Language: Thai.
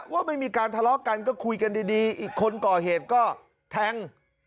ว่าไม่มีการทะเลาะกันก็คุยกันดีอีกคนก่อเหตุก็แทง